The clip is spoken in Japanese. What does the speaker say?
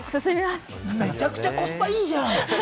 めちゃくちゃコスパいいじゃん！